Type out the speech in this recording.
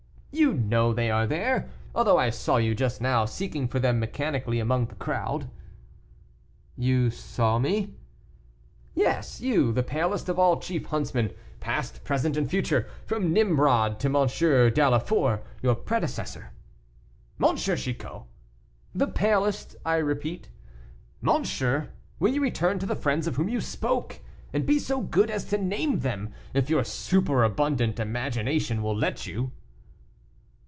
you know they are there, although I saw you just now seeking for them mechanically among the crowd." "You saw me?" "Yes, you, the palest of all chief huntsmen, past, present, and future, from Nimrod to M. d'Aulefort, your predecessor." "M. Chicot!" "The palest, I repeat." "Monsieur, will you return to the friends of whom you spoke, and be so good as to name them, if your super abundant imagination will let you."